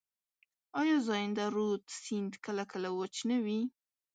آیا زاینده رود سیند کله کله وچ نه وي؟